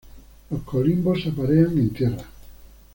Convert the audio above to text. Los colimbos se aparean en tierra.